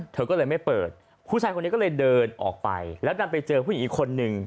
เธอก็เลยไม่เปิดผู้ชายคนนี้ก็เลยเดินออกไปแล้วดันไปเจอผู้หญิงอีกคนนึง